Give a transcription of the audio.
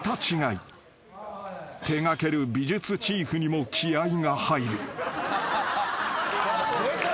［手掛ける美術チーフにも気合が入る］